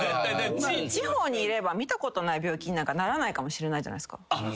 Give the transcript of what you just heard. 地方にいれば見たことない病気になんかならないかもしれないじゃないですか。